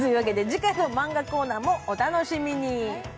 次回のマンガコーナーもお楽しみに。